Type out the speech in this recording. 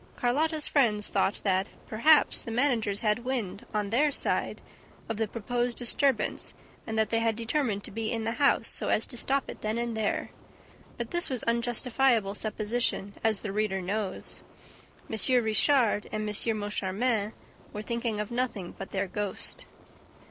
Carlotta's friends thought that, perhaps, the managers had wind, on their side, of the proposed disturbance and that they had determined to be in the house, so as to stop it then and there; but this was unjustifiable supposition, as the reader knows. M. Richard and M. Moncharmin were thinking of nothing but their ghost.